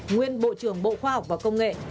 nguyên bộ trưởng bộ khoa học và công nghệ